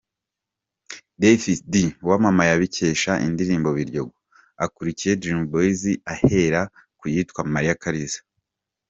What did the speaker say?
Davis D wamamaye abikesha indirimbo ’Biryogo’, akurikiye Dream Boyz ahera ku yitwa ’Mariya Kaliza’.